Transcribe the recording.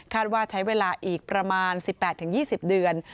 ว่าใช้เวลาอีกประมาณ๑๘๒๐เดือน